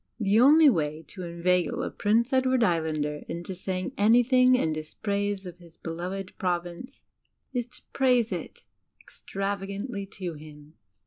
The only way to inveigle a Prince Edward Islander into saying anything in dispraise of his beloved Province is to praise it extravagandy to him.